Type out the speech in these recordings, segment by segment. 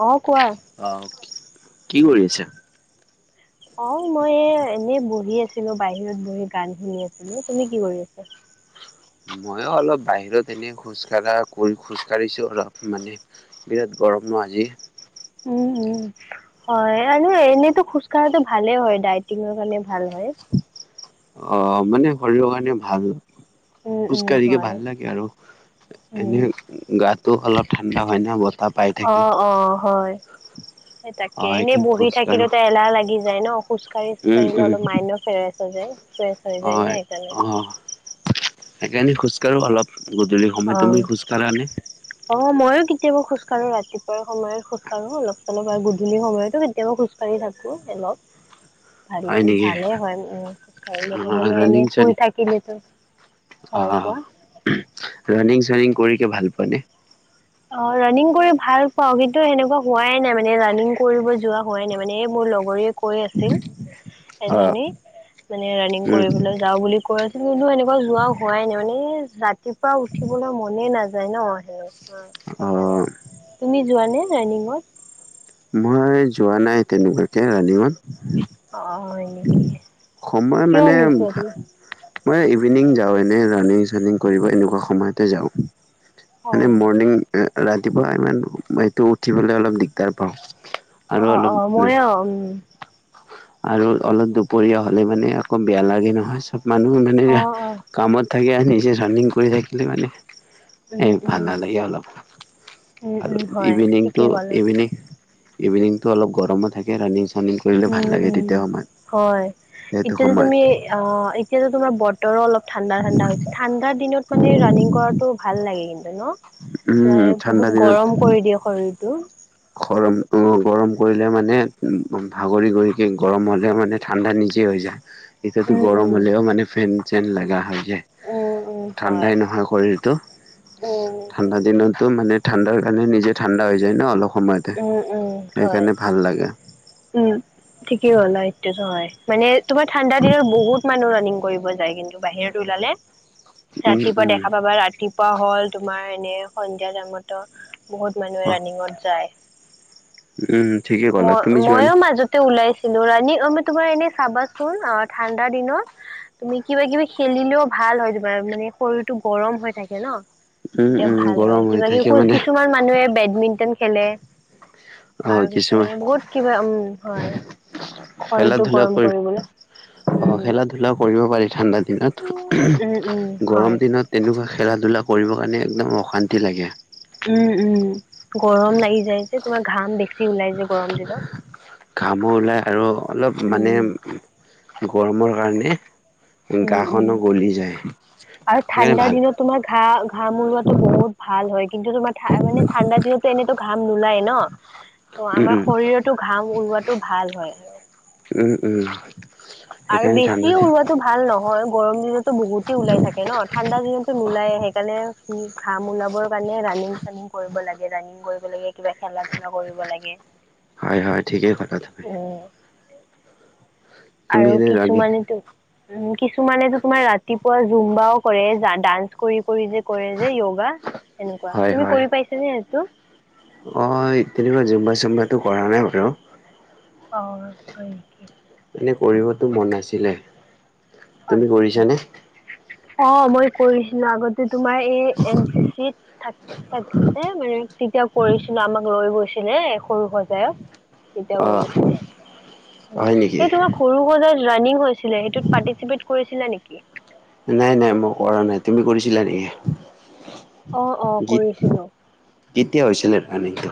অ কোৱা আহ, কি কৰি আছে? অ' মই এনেই বহি আছো। বাহিৰত বহি গান শুনি আছিলো, তুমি কি কৰি আছা? ময়ো অলপ বাহিৰত এনেই খোজ কঢ়া কৰি খোজ কাঢ়িছো অলপ মানে বিৰাট ব গৰম ন আজি। উম উম। [unintelligible] হয় আৰু এনেইতো খোজ কঢ়াটো ভালেই হয় ডাইটিঙ কাৰণে ভাল হয়। অ' মানে শৰীৰৰ কাৰণে ভাল, উম খোজ উম কঢ়িকে হয় ভাল লাগে আৰু। উম এনে গাটো অলপ ঠাণ্ডা হয় ন বতাহ পাই অ থাকে। অ হয়। সেই অ তাকে এনেই সেইকাৰণে বহি খোজকাঢ়ো থাকিলেত এলাহ লাগি যায় ন, খোজ কঢ়ি খোজ উম কাঢ়িলে উম অলপ মাই ফেৰাচ হৈ যায়। প্ৰেছ হৈ যায় ন হয় সেইকাৰণে। অ সেইকাৰণে খোজ কাঢ়ো অলপ গধূলি অ। সময়, তুমি খোজ কাঢ়ানে? কেতিয়া ম খোজাঢ়ো ৰাতিপুৱাৰ সময়ত খোজা কাঢ়ো অলপ আৰু গধূলি সময়তো কেতিয়াবও খোজাঢ়ি থাকো। হেল্ল' হয় ভাল নেকি ভালে হয় উ খোজ অ কাঢ়িলে নহ'লেও ৰানিং এনে শুই চানিং থাকিলেতো অ হয়, কোৱা। ৰানিং চানিং কৰিকে ভাল পোৱা নে? অ' ৰাণিং কৰি ভাল পাও, কিন্তু সেনেকুৱা হোৱাই নাই মানে ৰাণিং কৰিব যোৱা হোৱাই নাই মানে মোৰ। লগৰ কৈ আছিল অ এ মানে ৰানিং উম কৰিবলৈ যাওঁ বুলি। গছিল কিন্তু এনেকুৱা যোৱা হোৱাই নাই মানে ৰাতিপুৱা উঠিবলৈ মনেই নাযায় ন। অ' সেইকাৰণে অ তুমি যোৱানে ৰানিংত? মই যোৱা নাই তেনেকুৱাকে ৰানিংত। অঁ হয় নেকি সময় কিয় মানে নোযোৱা তুমি মই ইভিনিং যাওঁ এনেই ৰাণিং চানিং কৰিব এনেকুৱা সময়তে যাওঁ, মানে অঁ মৰ্ণিং ৰাতিপুৱা ইমান এইটো উঠিবলে অলপ দিগদাৰ পাওঁ। আৰু অ' অলপ অ' মই অ' উম। আৰু অলপ দুপৰীয়া হ'লে মানে আকৌ বেয়া লাগে নহয় চব মানুহ মানে অঁ কামত থাকে আৰু নিজে ৰাণিং কৰি থাকিলে মানে, এই ভাল অঁ নালাগে অলপ। উম, আৰু উম, হয় ইভিনিংটো ঠিকেই ক'লা ইভিনিং ইভিনিংতটো অলপ গৰমো থাকে ৰানিং চনিং কৰিলে ভাল উম, লাগে। উম তেতিয়া সময়ত হয়, সেইটো ইতিয়া যে সময়ত তুমি আ এতিয়াতো তোমাৰ বতৰো অলপ ঠাণ্ডা ঠাণ্ডা হৈছে ঠাণ্ডাৰ দিনত মানে ৰানিং কৰাটো ভাল লাগে কিন্তু ন। উম মান ঠাণ্ডা বহুত গৰম কৰি দিয়ে শৰীৰটো। খৰম গৰম কৰিলে মানে ভাগৰি গুৰিকৈ গৰম হ'লে মানে ঠাণ্ডা নিজে হৈ য এতিয়াাত উম, গৰম উম, হ'লেও মানে ফেন চেন লগা হয়। উম, উম, হয় ঠাণ্ডাই নহয় শৰীৰটো। উম, ঠাণ্ডা দিনতো মানে ঠাণ্ডাৰ কাৰণে নিজে ঠাণ্ডা হৈ যায় ন অলপ সময়তে উম, উম, হয়, সেইকাৰণে ভাল লাগে। উম, ঠিকেই হ'ল এইটোতো হয়। মানে তোমাৰ ঠাণ্ডা দিনত বহুত মানুহ ৰানিং কৰিব যায় কিন্তু বাহিৰত উলালে। উম ৰাতিপুৱা উম দেখা পাবা ৰাতিপুৱা হ'ল তোমাৰ এনে সন্ধিয়া টাইমতো বহুত মানুহে অ ৰানিঙত যায়। উম ঠিকেই ক'লা মই তুমি যোৱানে? ময়ো মাজতে উলাই ৰানিং তোমাৰ এনে চাবাচোন আ, ঠাণ্ডা দিনত তুমি কিবা কিবি খেলিলেও ভাল ভাল হয় তোমাৰ, মানে শৰীৰটো গৰম হৈ থাকে ন'। উম তেতিয়া উম ভাল হয়, গৰম হৈ কিবা থাকে কিব মানে কিছুমান মানুহে বেডমিন্টন খেলে। অ আৰু কিছুমান কিছুমানে বহুত কিবা উম, হয়, খেলা শৰীৰটো ধূলা গৰম কৰিব কৰিবলৈ অ', উম খেলা ধূলা কৰিব পাৰি ঠাণ্ডা দিনত। উম উম হয় গৰম দিনত তেনেকুৱা খেলা ধূলা কৰিব কাৰণে একদম অশান্তি লাগে। উম উম গৰম লাগি যায় যে তোমাৰ ঘাম দেখি ঘামো ওলাই আৰু অলপ উম মানে গৰমৰ কাৰণে উম উম গাখনো গলি যায়। আৰু সেইকাৰণে ঠাণ্ডা ভাল দিনত তোমাৰ ঘা ঘাম উলোৱাতো বহুত ভাল হয় কিন্তু তোমাৰা মানে ঠাণ্ডা দিনত এনেতো ঘাম নোলায় ন' ত' উম আমাৰ শৰীৰটো ঘাম উলোৱাটো ভাল হয়। উম, উম, আৰু সেইকাৰণে ঠাণ্ডা বেছিয়ে দিন। উলোৱাটো ভাল নহয় গৰম দিনত বহুতেই ওলাই থাকে ন ঠাণ্ডা দিনতটো নোলায় সেইকাৰণে ঘাম ওলাবৰ কাৰণে ৰানিং চানিং কৰিব লাগে ৰানিং কৰিব লাগে কিবা খেলা ধূলা কৰিব লাগে। হয়, হয় ঠিকেই কলা তোমি। উম আৰু ৰান্ধি কিছুমানেতো উ, কিছুমানেটো তোমাৰ ৰাতিপুৱা জুম্বাও কৰে ডান্স কৰি কৰি যে কৰে যে য়োগা এনেকুৱা হয় তুমি হয় কৰি পাইছা নে সেইটো? অ', তেনেকুৱা জুম্বা চুম্বাটো কৰা নাই বাৰু। অ', হয় নেকি? এনে কৰিবতো মন আছিলে তুমি আচ্ছা কৰিছানে? অ', মই কৰি আগতে তোমাৰ এই এন চি চি ত থ থাকে মানে তেতিয়া কৰিছিলো আমাক লৈ গৈছিল। ছিলে সৰু সজায়ত। তিয়া অ কৰিছিল হয় নেকি? এই তোমাৰ সৰু সজায় ৰাণিং হৈছিলে সেইটোত পা কৰিছিলা নেকি? নাই নাই মই কৰা নাই তুমি কৰিছিলাঁ নেকি? অ', অ', গীত কৰিছিলোঁ। কেতিয়া হৈছিলে ৰানিংটো?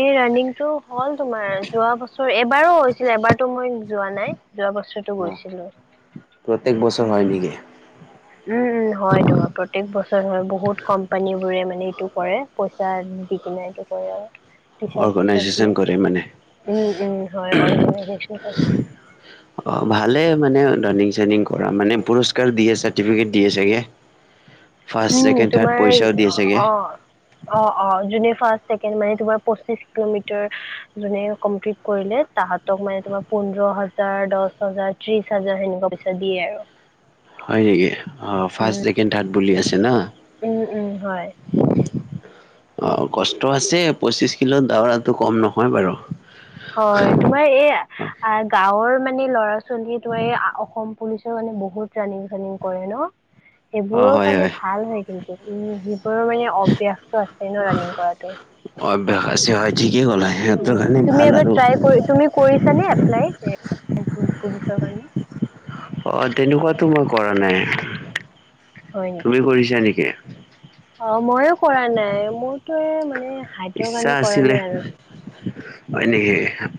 এই ৰাণিং টো হ'ল তোমাৰ যোৱা বছৰ এবাৰো হৈছিলে এবাৰতো মই যোৱা নাই যোৱা বছৰটো গৈছিলো প্ৰত্যেক বছৰ হয় উম, নেকি উম, উম, হয় তোমাৰ প্ৰতয়েক বছৰ হয় বহুত কোম্পানী বোৰে মানে এইটো কৰে পইচা দি কিনে এইটো কৰে আৰু। টিচাৰ্ট চিচাৰ্ট অৰ্গেনাইজেচন দিয়ে কৰে মানে? উম, উম, হয় অৰ্গনাইজন অ', ভালে। মান ৰাণিং চাণিং কৰা মানে পুৰস্কাৰ দিয়ে চাৰ্টিফিকেট দিয়ে চাগে। ফাৰ্ষ্ট উম, ছেকেণ্ড থাৰ্ড তোমাৰ পইচাও দিয়ে চাগে অ', অ', যোনে ফাষ্ট, চেকন্দ মানে তোমাৰ পচিশ কিলোমিটাৰ যোনে কমপ্লিট কৰিলে তাহাঁতক মানে পোন্ধৰ হাজাৰ, দশ হাজাৰ, ত্ৰিশ হাজাৰ সেনেকুৱা পইছা দিয়ে আৰু। হয়, নেকি অ', ফাৰ্ষ্ট উম, ছেকেণ্ড থাৰ্ড বুলি আছে ন। উম, উম, হয়। অ', কষ্ট আছে পঁচিশ কিল দৌৰাটো কম নহয় বাৰু। হয়, তোমাৰ এই গাঁৱৰ মান [unintelligible] ল'ৰা ছোৱালীয়ে তো এই অসম পুলিচৰ কাৰানে বহুত ৰানিং চানিং কৰে ন। অ সেইবোৰৰ হয় কাৰণে হয়। ভাল হয় কিন্তু উম, সেইবোৰৰ মানে অভ্যাসটো আছে ন' ৰানিং কৰাটো। [unintelligible] সিহঁতৰ কাৰণে তুমি ভাল এবাৰ আৰু ট্ৰাই কৰি তুমি কৰিছা নে এপ্লাই? পুলিচৰ কাৰণে। অ', তেনেকুৱাতো মই কৰা নাই হয় তুমি নেকি কৰিছা নেকি? অ', ময়ো কৰা নাই মোৰতো মানে হাইটৰ ইচ্ছা কাৰণে কৰা আছিলে নাই আৰু। হয়, নেকি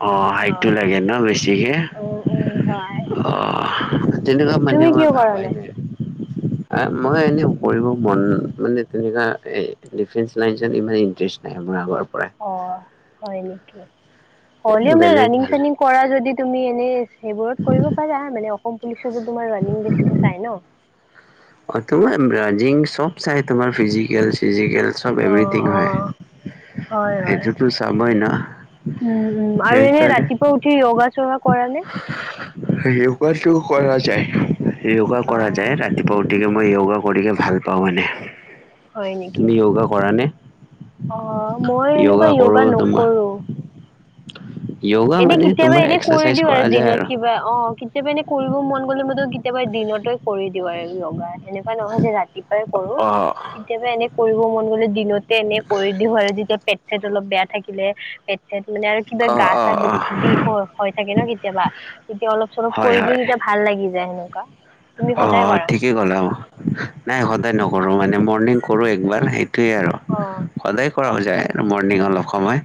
অ, হাইটটো লাগে ন বেছিকে উম উম হয় অ', তেনেকুৱা মানে তুমি মই কিয় কৰা ভাবায় নাই। মই এনে কৰিব মন মানে তেনেকুৱা ডিফে লাইন ইমান ইণ্টাৰেষ্ট নাই মোৰ আগৰ পৰাই অ', হয় নেকি, এ হলে মানে বেলেগ ৰানিং ভাল চানিং কৰা যদি তুমি এনে সেইবোৰত কৰিব পাৰা মানে অসম পুলিচতো তোমাৰ ৰাণিং বেছিকে চাই ন। অ', তোমা ৰানিং চব চাই তোমাৰ ফিজিকেল চিজিকেল চব অ এভ্ৰিথিং অ হয় হয় হয় সেইটোটো চাবই ন'। উম, উম, আৰু এনে সেইকাৰণে ৰাতিপুৱা উঠি য়োগা চোগা কৰা নে? য়োগাটো কৰা যায় য়োগা কৰা অঁ যায় ৰাতিপুৱা উঠ মই য়োগা কৰিকে ভাল পাওঁ মানে, তুমি য়োগা কৰা নে? অ', মই এনেকুৱা কৰো য়োগা তোমাৰ নকৰো। য়োগা এনে মানে কেতিয়াবা তোমাৰ এনে কৰি এক্সাৰচাইজ দিওঁ আৰু কৰা যায় দিনত কিবা অ', কেতিয়াবা এ কৰিব মন গ'লে মইতো কেতিয়াবা দিনত কৰি দিওঁ আৰু য়োগা সেনেকুৱা নহয় যে ৰাতি কৰোঁ অ কেতিয়াবা এনে কৰিব মন গলে দিনতে এনে কৰি দিওঁ আৰু যেতিয়া পে পেট অলপ বেয়া থাকিলে পেট চট মানে আৰু কিবা অ গা অ চা বিষ বিষ অ হৈ থাকে ন' কেতিয়াবা, তেতিয়া অলপ চলপ হয় কৰি দিওঁ হয় তেতিয়া ভাল লাগি যায় সেনেকুৱা। তুমি সদায় অ', কৰা ঠিকেই ক'লা অ, নাই সদায় নকৰো মানে মৰ্ণিং কৰো একবাৰ। টোৱেই আৰু অঁ সদায় কৰা অঁ যায় মৰ্ণিং অলপ সময়।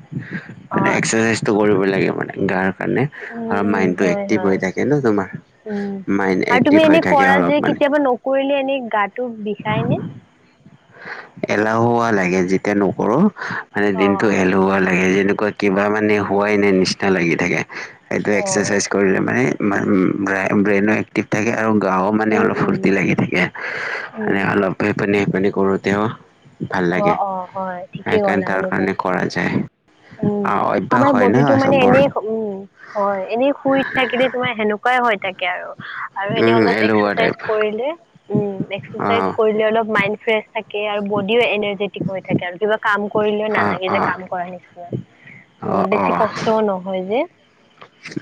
অ মানে আচ্ছা এক্সাৰচাইজটো কৰিব লাগে মানে, গাৰ কাৰণে উম উম মাইণ্ডটো হয় এক্টিভ হয় হৈ থাকে ন তোমাৰ উম মাইন এ আৰু তুমি এনে কৰা যে কেতিয়াবা নকৰিলে এনে গাটো বিষাই নে? এলাহুৱা লাগে যেতিয়া নকৰো। মানে অ দিনটো অ এলুৱা লাগে যেনেকুৱা কিবা মানে হোৱাই নাই নিচিনা লাগি থাকে। এইটো অ এক্সাৰচাইজ কৰিলে মানে ব্ৰেইনো এক্টিভ থাকে। আৰু গাও মানে উম অলপ উম ফূৰ্তি লাগি থাকে, মানে উম অলপ সেইপিনে সেইপিনে কৰোঁতেও ভাল অ লাগে অ হয় ঠিকেই ক'লা সেইকাৰণে তাৰ এনেকুৱা কাৰণে কৰা যায়। উম, অ অভ্যাস আমাৰ হয় না বডিটো মানে চবৰ এনে উম, হয়, এনেই শুই থাকিলে তোমাৰ সেনেকুৱা হয়, হয় তাক আৰু এনে উম অলপ এলেহুৱা টাইপ এক্সাৰচাইজ কৰিলে উম, অ এক্সাৰচাইজ কৰিলে অলপ মাইণ্ড ফ্ৰেছ থাক আৰু বডিও এনাৰ্জেটিক হৈ থাকে আৰু কিবা কাম কৰিলেও অ নালাগে অ যে কাম কৰা নিচিনা। অ উম, অ বেছি কষ্টও নহয় যে।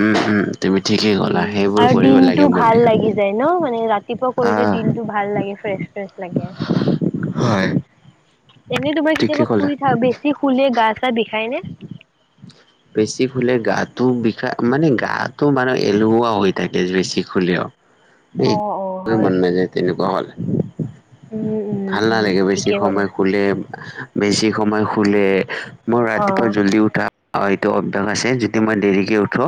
উম উম তুমি ঠিকেই ক'লা উম, সেইবোৰ আৰু কৰিব লাগে দিনটো মনে ভাল লাগি যায় ন মানে ৰাত ৰাতিপুৱা কৰিলে আহ দিনটো ভাল লাগে ফ্ৰেছ ফ্ৰেছ লাগে। হয়। এনে তোমাৰ ঠিকে কেতিয়াবা ক'লা শুই থাক বেছি শুলে গা চা বিষাই নে? বেছি শুলে গাটো বিষায় মানে গাটো মানে এলুহুৱা হৈ থাকে বেছি শুলেও। অ', অ', এই মন হয়। নাযায় তেনেকুৱা হ'লে। উম, উম, ভাল উম, নালাগে বেছি ঠিকে ক'লা সময় শুলে, বেছি সময় শুলে মোৰ ৰাতিপুৱা অ'। জল্দি উঠা হয়টো অভ্যাস আছে যদি মই দেৰিকে উঠো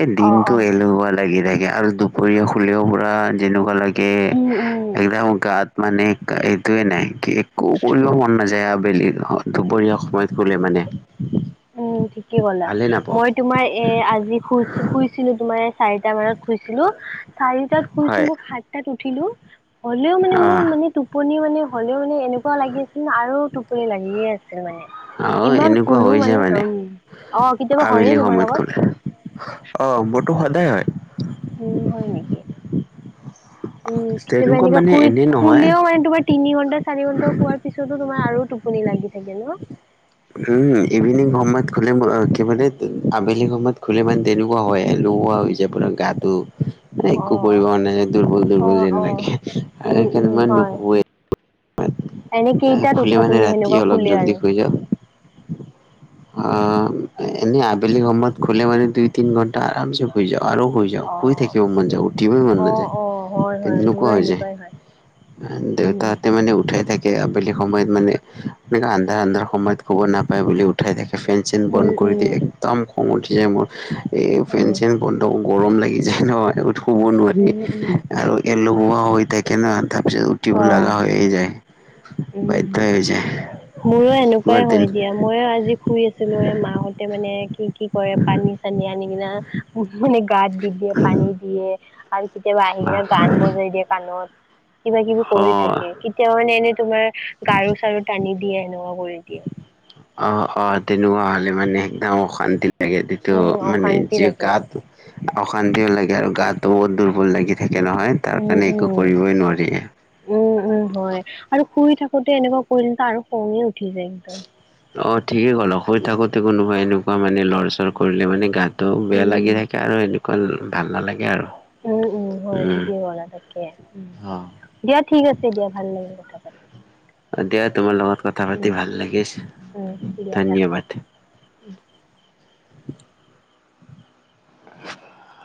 এ অ', দিনটো অ', এলেহুৱা লাগি থাকে আৰু দুপৰীয়া শুলেও পুৰা যেনেকুৱা লাগে কে, উম, উম। একদম গাত মানে এইটোয়ে নাই কি একো কৰিব মন নাযায় আবেলি দুপৰীয়া সময়ত গলে মানে। উম ঠিকেই কলা, ভালেই নাপাওঁ মই তোমাৰ এ আজি শু শুইছিলো তোমাৰ চাৰিটা মানত খুইছিলো, চাৰিটাত খুইছো হয় মই সাতটাত উঠিলো। হ'লেও মানে মোৰ আহ মানে টোপনি, মানে হ'লেও মানে এনেকুৱা লাগি আছিল ন আৰু টোপনি লাগিয়ে আছিল। মানে আহ ইমান এনেকুৱা শুনো হৈছে মানে মানে, উম অ কেতিয়াবা হয়নে আবেলি তোমাৰ সময়ত লগত শুলে, অ' মোৰটো সদায় হয়। উম হয় নেকি? উম কেতিয়াবা তেনেকুৱা এনেকা মানে শুই এনেই নহয় খুলেও মানে তোমাৰ তিনি ঘন্টা চাৰি ঘন্টাও খোৱাৰ পিছতো তোমাৰ আৰু টোপনি লাগি থাকে ন? উম ইভিনিং সময়ত শুলে কি মানে আবেলি সময়ত খলে মান তেনেকুৱা হয় আৰু। নোহোৱা হৈ যাই পোৰা গাটো। অ একো কৰিব নাই যায় দুৰ্বল অ দুৰ্বল যেন অ লাগে আৰু উম সেইকাৰ উম মই হয় নুশুৱে। এনে কেইটাত নোশুলে উঠা মানে তুমি ৰাতি সেনেকুৱা অলপ শুলে আৰু জল্দি শুই যাওঁ। আ এনে আবেলি সময়ত শুলে মানে দুই তিনি ঘণ্টা আৰাম চে গুই যাওঁ। আৰু শুই যাওঁ, শুই অ', থাকিব মন যা, উঠিব মন অ', নাযায়, অ', হয়, হয়, এনেকুৱা মোৰো হৈ যায়। সেনেকুৱাই হয়। দেউতা উম, হাতে মানে উঠাই থাকে। আবেলি সময়ত মানে, এনে আন্ধাৰ আন্ধাৰ সময়ত শুব নাপায় বুলি উঠাই থাকে। ফেন চেন বন্ধ উম, কৰি দিয়ে, উম, একদম খং উঠি যায় মোৰ, এই ফেন উম, চেন বন্ধ গৰম লাগি য যেনেত শুব নোৱাৰি উম, উম, আৰু লগোৱা হৈ থাকে ন। তাৰপিছত উঠিবোৰ অ', লগা হৈয়ে যায়, উম। বাধ্য হৈ যায়। মোৰো তোমাৰ এনেকুৱাই দিন হয় দিয়া মই আজি শুই আছিলো এ মাহতে মানে কি কি কৰে পানী চানী আনি কিনে মানে গাত দি দিয়ে পানী দিয়ে। আৰু কেতিয়াবা আহি কিনে গান বজাই দিয়ে কাণত। কিবা কিবি অ কৰি থাকে, কেতিয়া মানে এনেই তোমাৰ গাৰু চাৰু টানি দিয়ে। কৰি দিয়ে। অ' অ' তেনেকুৱা হলে মানে একদম অশান্তি লাগে যটো উম, মানে অশান্তি যি লাগে, গাত, অশান্তিও লাগে আৰু গাত দুৰ্বল লাগে। থাকে নহয় তাৰ উম, কাৰণে একো উম। কৰিবই নোৱাৰি। উম, উম, হয় আৰু শুই থাকোঁতে এনেকুৱা কৰিলেত আৰু খঙে উঠি যায় একদম। অ' ঠিকে ক'ল শুই থাকোতে কোনোবা এনেকুৱা মানে লৰ চৰ কৰিলে মানে গাত ত বেয়া উম। লাগি থাকে আৰু এনেকুৱা ভাল নালাগে আৰু। উম উম হয় উম ঠিকেই কলা থাকে, উম। দিয়া ঠিক আছে দিয়া, ভাল লাগিল কথা পাতি। অ' দিয়া তোমাৰ লগত কথা উম, পাতি ভাল লাগিছে, উম, দিয়া ৰাখো। ধন্যবাদ। [inaudible] [inaudible]